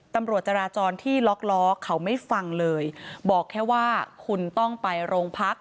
ตำรวจจราจรที่ล็อกล้อเขาไม่ฟังเลยบอกแค่ว่าคุณต้องไปโรงพัก